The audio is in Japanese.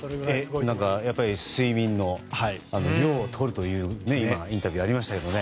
睡眠の量をとるというインタビューもありましたが。